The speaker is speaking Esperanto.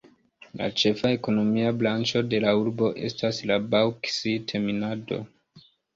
La ĉefa ekonomia branĉo de la urbo estas la baŭksit-minado.